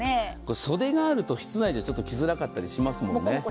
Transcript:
袖があると室内じゃちょっと着づらかったりしますもんね。